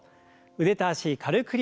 腕と脚軽く振ります。